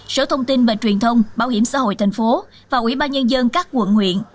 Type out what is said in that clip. sở thông tin và truyền thông bảo hiểm xã hội tp và ủy ban nhân dân các quận huyện